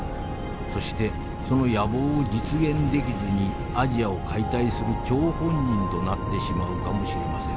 そしてその野望を実現できずにアジアを解体する張本人となってしまうかもしれません。